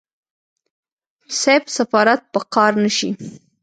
صيب سفارت په قار نشي.